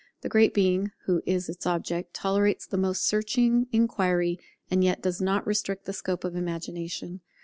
The Great Being, who is its object, tolerates the most searching inquiry, and yet does not restrict the scope of Imagination.